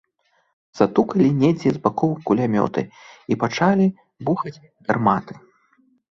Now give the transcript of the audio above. Затукалі недзе з бакоў кулямёты, і пачалі бухаць гарматы.